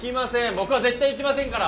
僕は絶対行きませんから！